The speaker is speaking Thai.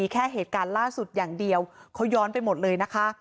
แค่เหตุการณ์ล่าสุดอย่างเดียวเขาย้อนไปหมดเลยนะคะ